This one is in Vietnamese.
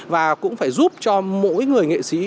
và cũng phải giúp cho mỗi người nghệ sĩ